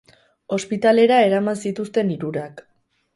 Ospitalera eraman zituzten hirurak.